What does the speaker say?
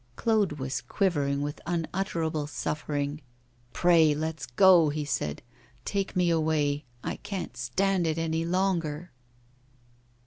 Claude was quivering with unutterable suffering. 'Pray, let's go,' he said. 'Take me away I can't stand it any longer.